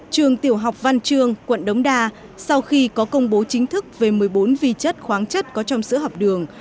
trường tiểu học văn trương quận đống đa sau khi có công bố chính thức về một mươi bốn vi chất khoáng chất có trong sữa học đường